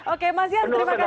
oke mas yana terima kasih banyak